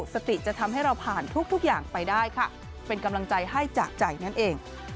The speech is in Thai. สติจะทำให้เราผ่านทุกอย่างไปได้ค่ะเป็นกำลังใจให้จากใจนั่นเอง